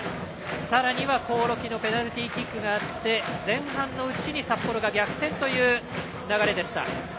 さらには興梠のペナルティーキックがあって前半のうちに札幌が逆転という流れでした。